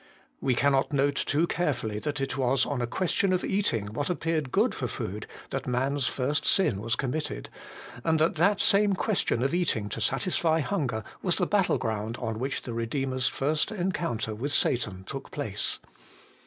We cannot note too carefully that it was on a question 204 HOLY IN CHRIST. of eating what appeared good for food that man's first sin was committed, and that that same question of eating to satisfy hunger was the battleground on which the Kedeemer's first encounter with Satan took place.